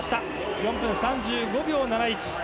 ４分３５秒７１。